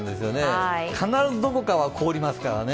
必ずどこかは凍りますからね。